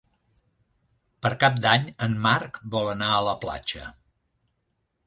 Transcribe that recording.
Per Cap d'Any en Marc vol anar a la platja.